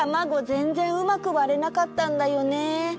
ぜんぜんうまくわれなかったんだよね。